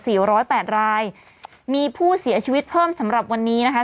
ร้อยแปดรายมีผู้เสียชีวิตเพิ่มสำหรับวันนี้นะคะ